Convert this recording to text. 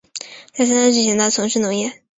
在参政之前他从事农业。